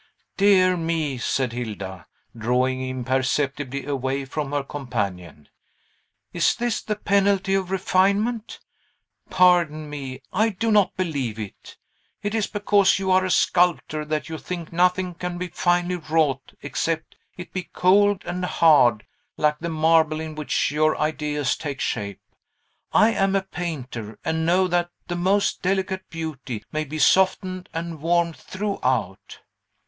"Dear me!" said Hilda, drawing imperceptibly away from her companion. "Is this the penalty of refinement? Pardon me; I do not believe it. It is because you are a sculptor, that you think nothing can be finely wrought except it be cold and hard, like the marble in which your ideas take shape. I am a painter, and know that the most delicate beauty may be softened and warmed throughout."